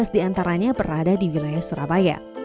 tiga belas di antaranya berada di wilayah surabaya